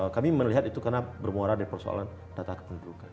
kami melihat itu karena bermuara dari persoalan data kependudukan